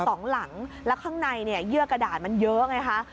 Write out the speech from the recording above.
สองหลังแล้วข้างในเนี่ยเยื่อกระดาษมันเยอะไงคะ